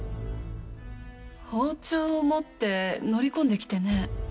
包丁を持って乗り込んできてね。